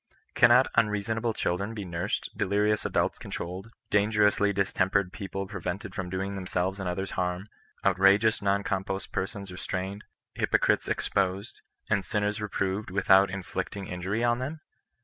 Cannot unreasonable children be nursed, delirious adults controlled, dangerously distem pered people prevented from doing themselves and others harm, outrageous non compos persons restrained, hypo elites exposed, and sinners reproved without vnflicting injury on them